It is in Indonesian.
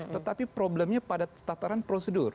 tetapi problemnya pada tataran prosedur